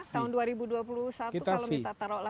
tahun dua ribu dua puluh satu kalau kita taruhlah sudah ada